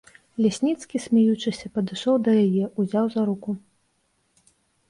Лясніцкі, смеючыся, падышоў да яе, узяў за руку.